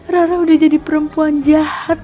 rara udah jadi perempuan jahat